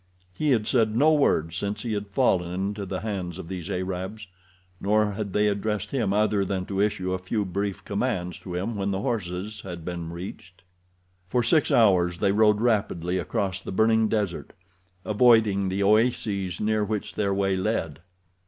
He had said no word since he had fallen into the hands of these Arabs, nor had they addressed him other than to issue a few brief commands to him when the horses had been reached. For six hours they rode rapidly across the burning desert, avoiding the oases near which their way led.